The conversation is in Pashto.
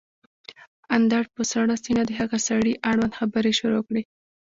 اندړ په سړه سينه د هغه سړي اړوند خبرې شروع کړې